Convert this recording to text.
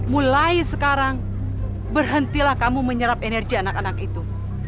mulai sekarang berhentilah kamu menyerap energi anak anak itu